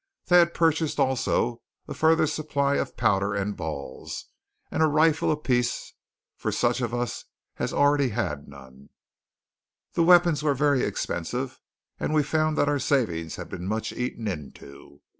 They had purchased also a further supply of powder and balls, and a rifle apiece for such of us as already had none. The weapons were very expensive; and we found that our savings had been much eaten into.